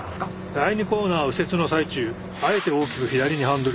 第２コーナーを右折の最中あえて大きく左にハンドル。